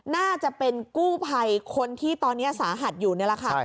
น่าจะเป็นกู้ภัยคนที่ตอนนี้สาหัสอยู่นี่แหละค่ะ